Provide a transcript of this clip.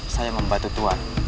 saya membantu tuan